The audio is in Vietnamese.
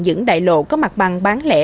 những đại lộ có mặt bằng bán lẻ